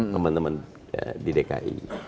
teman teman di dki